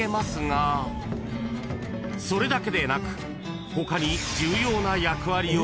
［それだけでなく］